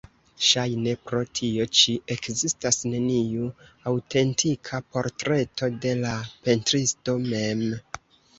Ŝajne pro tio ĉi ekzistas neniu aŭtentika portreto de la pentristo mem.